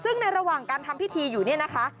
ซึ่งในระหว่างการทำพิธีอยู่เนี่ยนะคะ